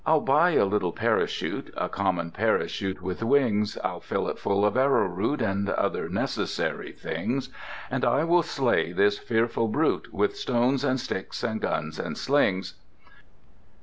I'll buy a little parachute (A common parachute with wings), I'll fill it full of arrowroot And other necessary things, And I will slay this fearful brute With stones and sticks and guns and slings.